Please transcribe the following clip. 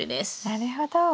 なるほど。